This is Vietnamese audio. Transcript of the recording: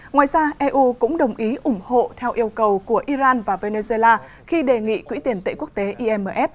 ngoài ra eu cũng đồng ý ủng hộ theo yêu cầu của iran và venezuela khi đề nghị quỹ tiền tệ quốc tế imf hỗ trợ tài chính